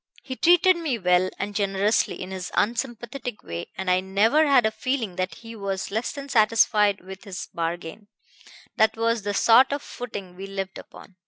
He treated me well and generously in his unsympathetic way, and I never had a feeling that he was less than satisfied with his bargain that was the sort of footing we lived upon.